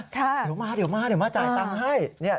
ค่ะเดี๋ยวมาเดี๋ยวมาจ่ายตังค์ให้